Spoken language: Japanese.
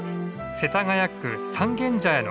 世田谷区三軒茶屋の交差点。